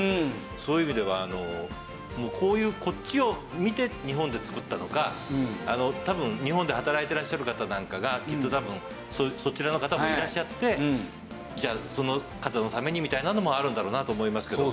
そういう意味ではこういうこっちを見て日本で作ったのか多分日本で働いてらっしゃる方なんかがきっと多分そちらの方もいらっしゃってじゃあその方のためにみたいなのもあるんだろうなと思いますけど。